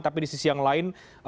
tapi di sisi yang lain